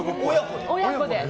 親子で。